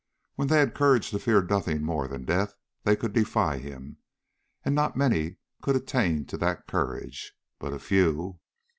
When they had courage to fear nothing more than death, they could defy him. And not many could attain to that courage. But a few....